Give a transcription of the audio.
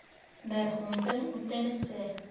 Мәрхүмдең үтенесе...